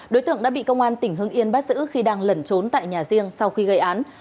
đối tượng đã bị công an tỉnh hưng yên bắt giữ khi đang lẩn trốn tại nhà riêng sau khi gây án